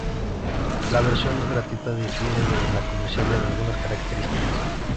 La versión gratuita difiere de la comercial en algunas características.